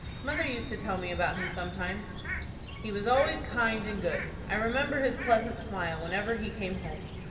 Mother used to tell me about him sometimes." "He was always kind and good. I remember his pleasant smile whenever he came home.